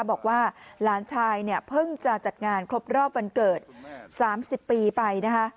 บอกว่าหลานชายเนี่ยเพิ่งจะจัดงานครบรอบวันเกิด๓๐ปีไปนะคะ